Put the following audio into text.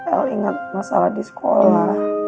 kalau ingat masalah di sekolah